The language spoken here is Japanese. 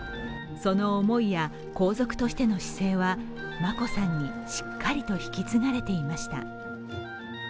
その思いや皇族としての姿勢は眞子さんにしっかりと引き継がれていました。